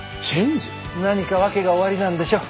何か訳がおありなんでしょ。